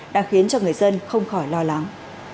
đã khiến cho người dân không khỏi lo lắng